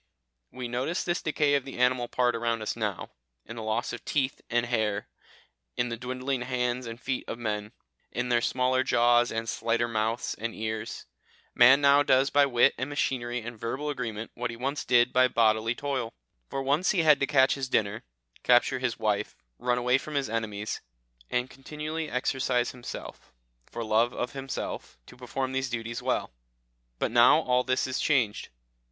We notice this decay of the animal part around us now, in the loss of teeth and hair, in the dwindling hands and feet of men, in their smaller jaws, and slighter mouths and ears. Man now does by wit and machinery and verbal agreement what he once did by bodily toil; for once he had to catch his dinner, capture his wife, run away from his enemies, and continually exercise himself, for love of himself, to perform these duties well. But now all this is changed.